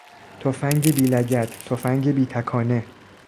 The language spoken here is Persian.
تفنگ بیلگد، تفنگ بیتکانه